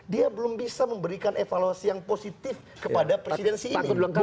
dia belum bisa memberikan evaluasi yang positif kepada presidensi ini